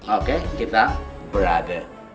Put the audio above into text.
oke kita berhenti